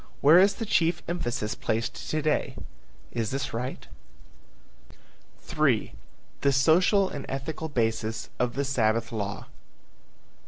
Where is the chief emphasis placed to day? Is this right? III. THE SOCIAL AND ETHICAL BASIS OF THE SABBATH LAW.